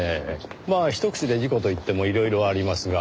まあ一口で事故と言ってもいろいろありますが。